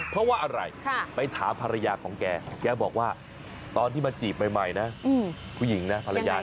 เพราะว่าอะไรไปถามภรรยาของแกแกบอกว่าตอนที่มาจีบใหม่นะผู้หญิงนะภรรยา